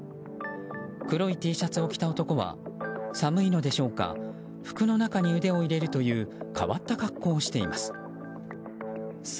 黒いＴシャツを着た男は寒いのでしょうか服の中に腕を入れるという変わった格好をしています。